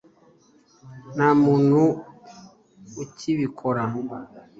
nta muntu ukibikora